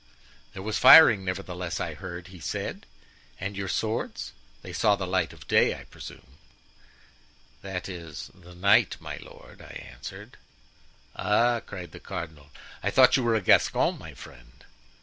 "'There was firing, nevertheless, I heard,' he said; 'and your swords—they saw the light of day, I presume?' "'That is, the night, my lord,' I answered. "'Ah!' cried the cardinal, 'I thought you were a Gascon, my friend?